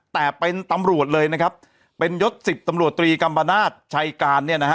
แต่เป็นตำรวจเลยนะครับเป็นยศสิบตำรวจตรีกัมปนาศชัยการเนี่ยนะฮะ